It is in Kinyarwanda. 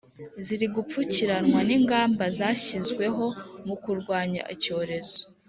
ziri gupfukiranwa n’ingamba zashyizweho mu kurwanya icyorezo